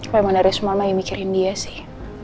memang dari semana yang mikirin dia sih